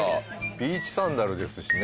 ビーチサンダルですしね。